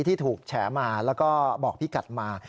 ที่ถูกแฉมาแล้วก็บอกพี่กัดมา